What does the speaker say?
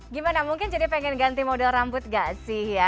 gimana mungkin jadi pengen ganti model rambut gak sih ya